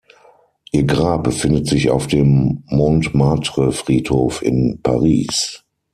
Ihr Grab befindet sich auf dem Montmartre-Friedhof in Paris.